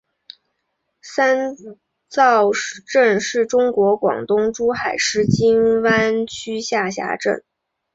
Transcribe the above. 三灶镇是中国广东省珠海市金湾区下辖镇。